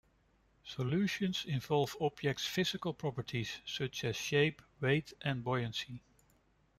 Solutions involve objects' physical properties, such as shape, weight, and buoyancy.